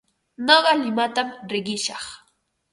Nuqa limatam riqishaq.